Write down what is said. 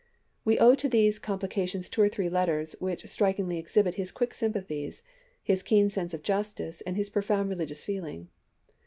We owe to these complica tions two or three letters, which strikingly exhibit his quick sympathies, his keen sense of justice, and his profound religious feeling.